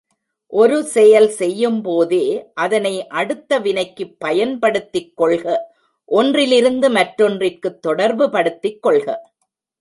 ஒரு செயல் செய்யும்போதே அதனை அடுத்த வினைக்குப் பயன்படுத்திக் கொள்க ஒன்றிலிருந்து மற்றொன்றிற்குத் தொடர்புபடுத்திக் கொள்க.